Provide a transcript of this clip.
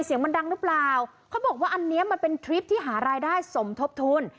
เสียงมันดังหรือเปล่าเขาบอกว่าอันนี้มันเป็นทริปที่หารายได้สมทบทุน